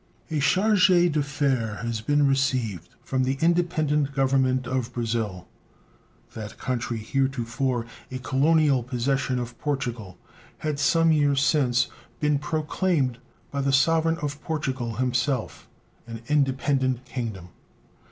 A charge d'affaires has been received from the independent Government of Brazil. That country, heretofore a colonial possession of Portugal, had some years since been proclaimed by the Sovereign of Portugal himself an independent Kingdom.